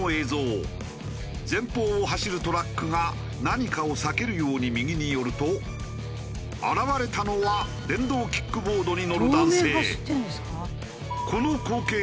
前方を走るトラックが何かを避けるように右に寄ると現れたのは電動キックボードに乗る男性。